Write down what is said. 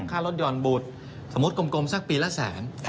ค่ารถหย่อนบุตรสมมุติกลมสักปีละแสน